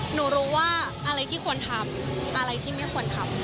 หนูรู้ว่าอะไรที่ควรทำอะไรที่ไม่ควรทำ